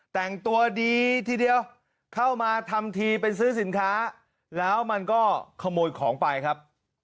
แต่งตัวดีทีเดียวเข้ามาทำทีเป็นซื้อสินค้าแล้วมันก็ขโมยของไปครับ